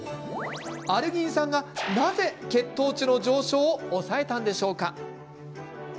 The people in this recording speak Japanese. アルギン酸がなぜ血糖値の上昇を抑えたんでしょうか。